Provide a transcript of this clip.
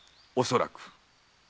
おそらく。